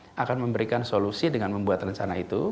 jadi kita akan memberikan solusi dengan membuat rencana itu